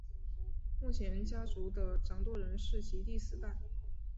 目前家族的掌舵人是其第四代。